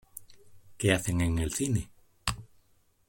¿Qué hacen en el cine?